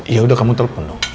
yaudah kamu telepon dong